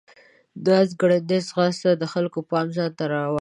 د آس ګړندی ځغاست د خلکو پام ځان ته راواړاوه.